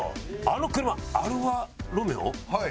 あの車アルファロメオ？